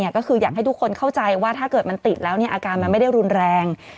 ก็คืออยากให้ทุกคนเข้าใจว่าถ้าเกิดมันติดแล้วอาการมันไม่ได้รุนแรง